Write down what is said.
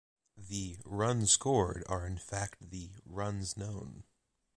The "runs scored" are in fact the "runs known".